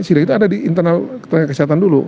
sidang itu ada di internal tenaga kesehatan dulu